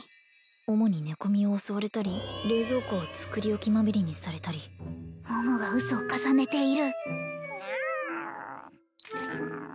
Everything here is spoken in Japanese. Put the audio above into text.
主に寝込みを襲われたり冷蔵庫を作り置きまみれにされたり桃が嘘を重ねているニャーオニャー